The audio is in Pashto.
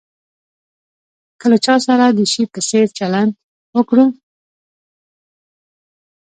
که له چا سره د شي په څېر چلند وکړو.